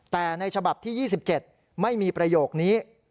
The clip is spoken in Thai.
แต่ในฉบับที่๒๗ไม่มีประโยคนี้